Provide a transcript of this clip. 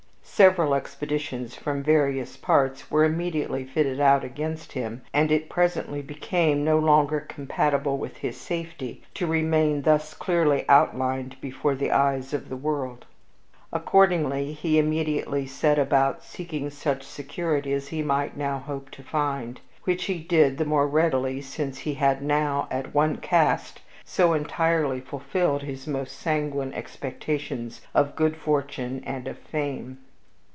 Several expeditions from various parts were immediately fitted out against him, and it presently became no longer compatible with his safety to remain thus clearly outlined before the eyes of the world. Accordingly, he immediately set about seeking such security as he might now hope to find, which he did the more readily since he had now, and at one cast, so entirely fulfilled his most sanguine expectations of good fortune and of fame.